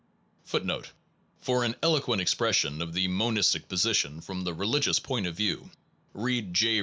1 1 For an eloquent expression of the monistic position, from the re ligious point of view, read J.